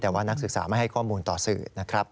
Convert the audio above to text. แต่ว่านักศึกษาไม่ให้ข้อมูลต่อสื่อนะครับ